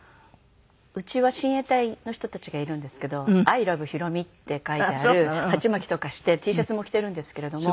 うちは親衛隊の人たちがいるんですけど「アイラブ宏美」って書いてある鉢巻きとかしてＴシャツも着てるんですけれども。